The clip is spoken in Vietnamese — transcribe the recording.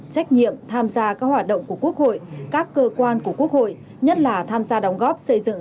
trách nhiệm tham gia các hoạt động của quốc hội các cơ quan của quốc hội nhất là tham gia đóng góp xây dựng